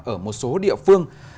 ở một số địa phương